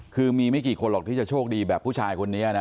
คือมีไม่กี่คนหรอกที่จะโชคดีแบบผู้ชายคนนี้นะ